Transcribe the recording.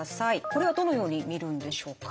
これはどのように見るんでしょうか？